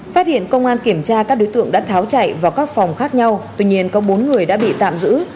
phát hiện công an kiểm tra các đối tượng đã tháo chạy vào các phòng khác nhau tuy nhiên có bốn người đã bị tạm giữ